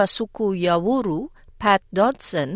pandemik pengaturan agama seperti tersebut